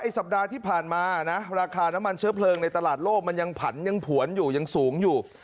สัปดาห์ที่ผ่านมานะราคาน้ำมันเชื้อเพลิงในตลาดโลกมันยังผันยังผวนอยู่ยังสูงอยู่